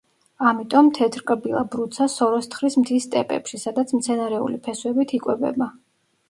ამიტომ თეთრკბილა ბრუცა სოროს თხრის მთის სტეპებში, სადაც მცენარეული ფესვებით იკვებება.